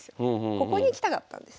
ここに来たかったんです。